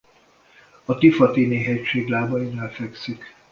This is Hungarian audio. A Tifatini-hegység lábainál fekszik.